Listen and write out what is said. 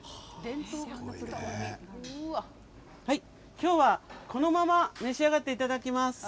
今日はこのまま召し上がっていただきます。